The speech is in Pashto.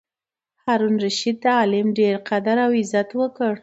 هارون الرشید د عالم ډېر قدر او عزت وکړ.